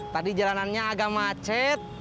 tadi jalanannya agak macet